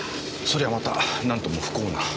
そりゃあまた何とも不幸な。